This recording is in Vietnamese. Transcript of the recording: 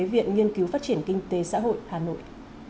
viện nghiên cứu phát triển kinh tế xã hội hà nội